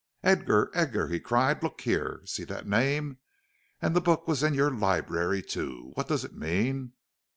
"Edgar! Edgar!" he cried; "look here! See that name! And the book was in your library too. What does it mean?